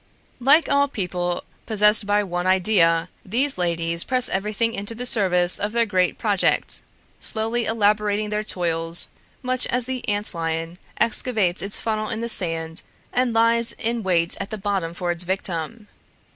Like all people possessed by one idea, these ladies press everything into the service of their great project, slowly elaborating their toils, much as the ant lion excavates its funnel in the sand and lies in wait at the bottom for its victim.